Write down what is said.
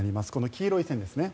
黄色い線ですね。